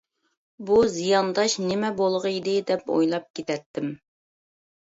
بۇ زىيانداش نېمە بولغىيدى دەپ ئويلاپ كېتەتتىم.